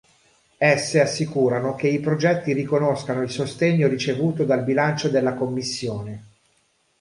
Esse assicurano che i progetti riconoscano il sostegno ricevuto dal bilancio della Commissione.